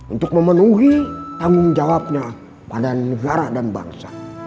untuk memenuhi tanggung jawabnya pada negara dan bangsa